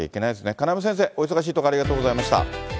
金山先生、お忙しいところありがとうございました。